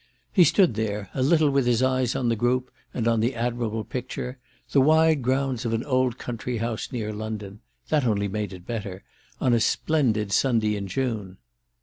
He stood there a little with his eyes on the group and on the admirable picture, the wide grounds of an old country house near London—that only made it better—on a splendid Sunday in June.